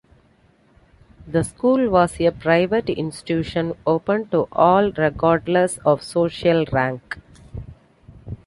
The school was a private institution open to all regardless of social rank.